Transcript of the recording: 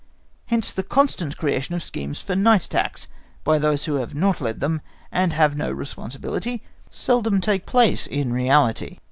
Hence the constant creation of schemes for night attacks by those who have not to lead them, and have no responsibility, whilst these attacks seldom take place in reality.